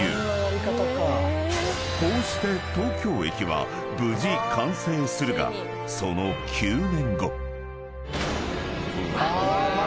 ［こうして東京駅は無事完成するがその９年後］